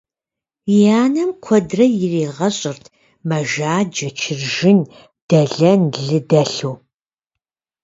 И анэм куэдрэ иригъэщӏырт мэжаджэ, чыржын, дэлэн, лы дэлъу.